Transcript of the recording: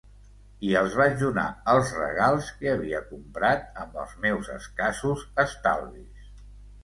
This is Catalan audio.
I els vaig donar els regals que havia comprat amb els meus escassos estalvis.